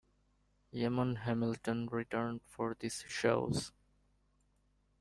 Eamon Hamilton returned for these shows.